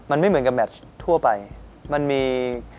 มันไม่เหมือนกับแมชทั่วไปมันมี